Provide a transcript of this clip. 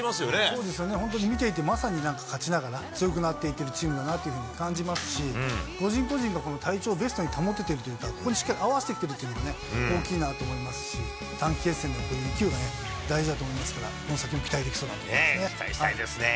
そうですね、本当に見ていてまさになんか勝ちながら強くなっているチームだなと感じますし、個人個人が体調をベストに保ててるというか、ここにしっかり合わせてきてるというのも大きいなと思いますし、短期決戦だと勢いが大事だと思いますから、この先も期待できそう期待したいですね。